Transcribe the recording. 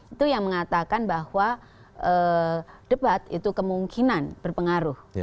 itu yang mengatakan bahwa debat itu kemungkinan berpengaruh